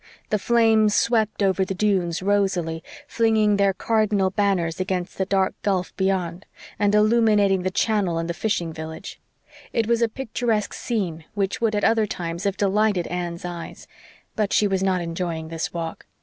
The flames swept over the dunes rosily, flinging their cardinal banners against the dark gulf beyond, and illuminating the channel and the fishing village. It was a picturesque scene which would at other times have delighted Anne's eyes; but she was not enjoying this walk.